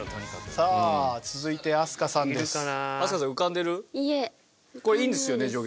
さあ続いて飛鳥さんです。